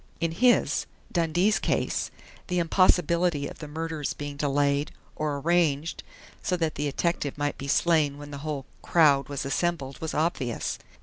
In his Dundee's case the impossibility of the murder's being delayed or arranged so that the detective might be slain when the whole "crowd" was assembled was obvious.